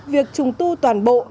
việc trùng tu toàn bộ